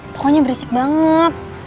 pokoknya berisik banget